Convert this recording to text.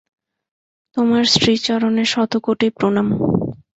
তোমার শ্রীচরণে শতকোটি প্রণাম।